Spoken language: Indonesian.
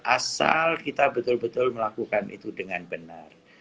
asal kita betul betul melakukan itu dengan benar